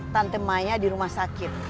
tante maya di rumah sakit